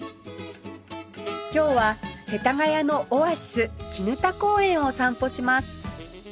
今日は世田谷のオアシス砧公園を散歩します